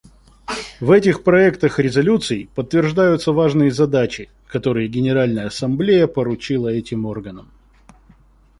В этих проектах резолюций подтверждаются важные задачи, которые Генеральная Ассамблея поручила этим органам.